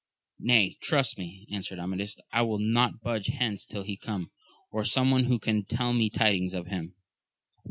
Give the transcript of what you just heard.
Nay trust me, answered Amadis, I will not budge hence till he come, or some one who can tell me tidings of him.